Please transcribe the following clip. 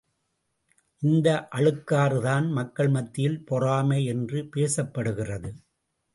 இந்த அழுக்காறு தான் மக்கள் மத்தியில் பொறாமை என்று பேசப்படுகிறது.